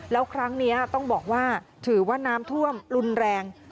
แล้วครั้งนี้ต้องบอกว่าถือว่าน้ำท่วมรุนแรง